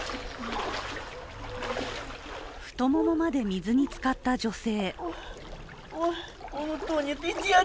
太ももまで水につかった女性。